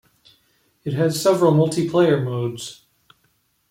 It has several multiplayer modes.